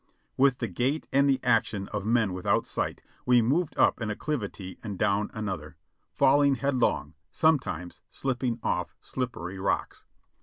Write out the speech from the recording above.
With the gait and the action of men without sight, we moved up an acclivity and down another, falhng headlong, sometimes sliding off slippery rocks.